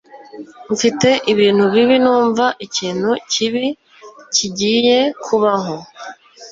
Mfite ibintu bibi numva ikintu kibi kigiye kubaho